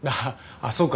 ああそうか。